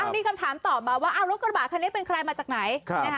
มีคำถามตอบมาว่ารถกระบะคันนี้เป็นใครมาจากไหน